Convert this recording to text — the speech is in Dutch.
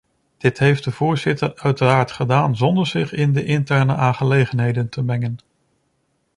Dit heeft de voorzitter uiteraard gedaan zonder zich in de interne aangelegenheden te mengen.